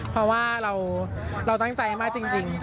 เพราะว่าเราตั้งใจมากจริง